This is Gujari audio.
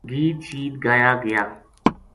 گید شید گایا گیا